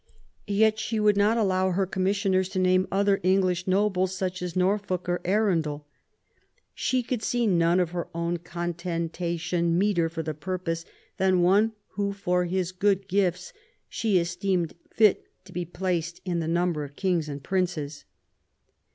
Yet she could not allow her commissioners to name other English nobles, such as Norfolk or Arundel. She could see none for her own contentation meeter for the purpose than one who for his good gifts she esteemed fit to be placed in the number of kings and princes."